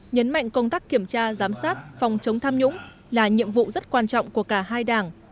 nhấn mạnh công tác kiểm tra giám sát phòng chống tham nhũng là nhiệm vụ rất quan trọng của cả hai đảng